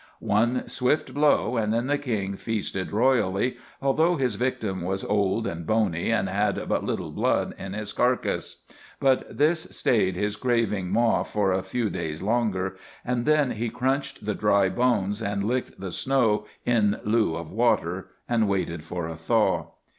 One swift blow and then the King feasted royally, although his victim was old and bony and had but little blood in his carcass. But this stayed his craving maw for a few days longer, and then he crunched the dry bones and licked the snow in lieu of water and waited for a thaw.